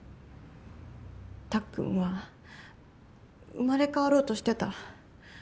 たっくんは生まれ変わろうとしてた。